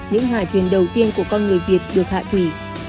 những loài thuyền đầu tiên của con người việt được hạ thủy